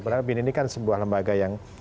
karena bin ini kan sebuah lembaga yang